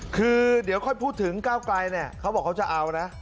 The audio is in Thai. คือเดี๋ยวค่อยพูดถึงก้าวไกลเนี่ยเขาบอกเขาจะเอานะ